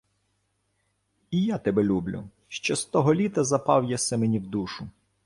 — І я тебе люблю. Ще з того літа запав єси мені в душу.